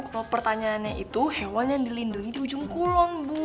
kalau pertanyaannya itu hewan yang dilindungi di ujung kulon bu